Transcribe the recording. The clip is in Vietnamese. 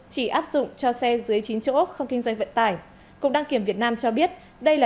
chỉ áp dụng cho xe dưới chín chỗ không kinh doanh vận tải cục đăng kiểm việt nam cho biết đây là